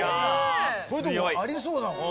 こういうとこありそうだもん。